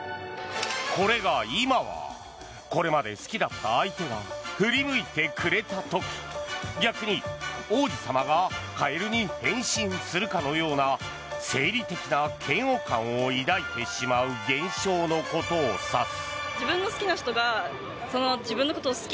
これが今は、これまで好きだった相手が振り向いてくれた時逆に王子様がカエルに変身するかのような生理的な嫌悪感を抱いてしまう現象のことを指す。